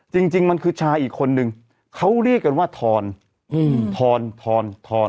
จริงจริงมันคือชายอีกคนนึงเขาเรียกกันว่าทอนอืมทอนทอนทอน